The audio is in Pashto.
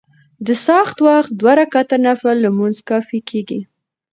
د څاښت وخت دوه رکعته نفل لمونځ کافي کيږي .